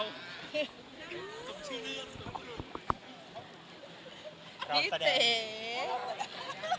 คุณเจ๊พี่คือ